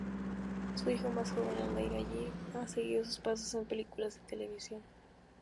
Su hijo más joven, Haidar Ali, ha seguido sus pasos en películas y televisión.